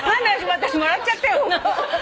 私笑っちゃったよ。